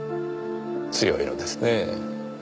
強いのですねぇ。